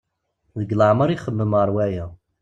Deg leɛmer ixemmem ɣer waya.